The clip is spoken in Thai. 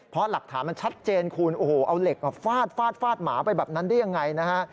เพราะหลักฐานมันชัดเจนคุณโอ้โหเอาเหล็กฟาดฟาดฟาดหมาไปแบบนั้นได้ยังไงนะฮะ